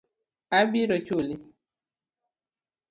Abiro chuli.